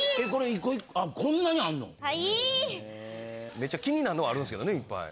めっちゃ気になんのはあるんすけどねいっぱい。